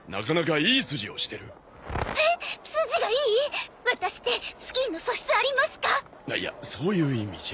いやそういう意味じゃ。